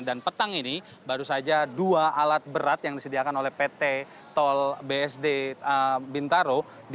dan petang ini baru saja dua alat berat yang disediakan oleh pt tol bsd bintaro